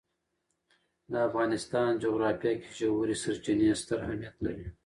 د افغانستان جغرافیه کې ژورې سرچینې ستر اهمیت لري.